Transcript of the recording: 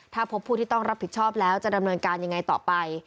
ถ้าพบผู้ที่ต้องรับผิดชอบแล้วจะดำเนินการยังไงต่อไป